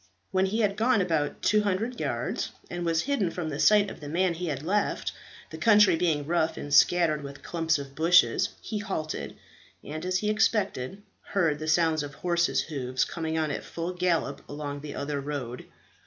When he had gone about 200 yards, and was hidden from the sight of the man he had left the country being rough, and scattered with clumps of bushes he halted, and, as he expected, heard the sound of horses' hoofs coming on at full gallop along the other road.